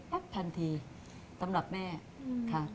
แป๊บทันทีตำรับแม่ค่ะ